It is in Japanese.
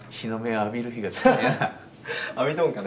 浴びとんかな？